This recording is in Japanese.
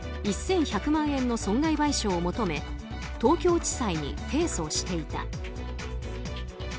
１１００万円の損害賠償を求め東京地裁に提訴していた。